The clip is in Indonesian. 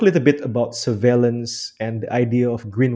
mari kita bicara sedikit tentang penyelenggaraan